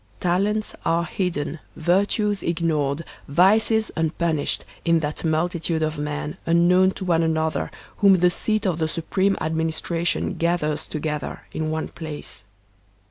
Talents are hidden, vir tues ignored, vices unpunished, in that multitude of men, unknown to one another, whom the seat of the supreme administration gathers together in one place.